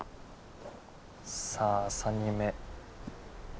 さあ３人目。